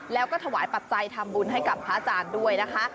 แล้วก็ถวายปัจจัยทำบุญให้กับพระอาจารย์ด้วยนะคะ